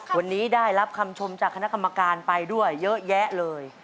วันนี้ได้รับคำชมจากคณะกรรมการไปด้วยเยอะแยะเลย